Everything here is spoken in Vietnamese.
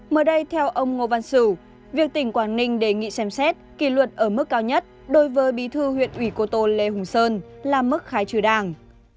mới đây theo ông ngô văn sửu việc tỉnh quảng ninh đề nghị xem xét kỳ luật ở mức cao nhất đối với bí thư huyện ủy cô tô lê hùng sơn là mức khai trừ đảng